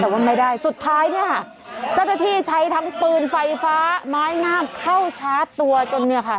แต่ว่าไม่ได้สุดท้ายเนี่ยค่ะเจ้าหน้าที่ใช้ทั้งปืนไฟฟ้าไม้งามเข้าชาร์จตัวจนเนี่ยค่ะ